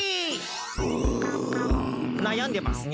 なやんでますね。